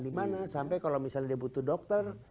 di mana sampai kalau misalnya dia butuh dokter